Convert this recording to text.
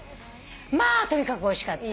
まあとにかくおいしかった。